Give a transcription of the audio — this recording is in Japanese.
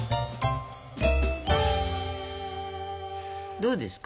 どうですか？